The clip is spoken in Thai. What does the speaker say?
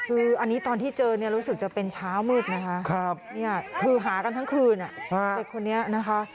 คืออันนี้ตอนที่เจอเนี่ยรู้สึกจะเป็นเช้ามืดนะคะคือหากันทั้งคืนเด็กคนนี้นะคะ